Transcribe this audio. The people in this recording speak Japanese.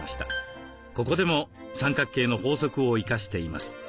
ここでも三角形の法則を生かしています。